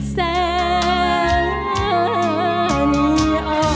แสงมีอ่อน